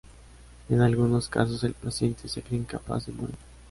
En algunos casos el paciente se cree incapaz de morir.